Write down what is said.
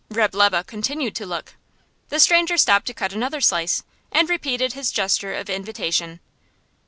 Reb' Lebe continued to look. The stranger stopped to cut another slice, and repeated his gesture of invitation.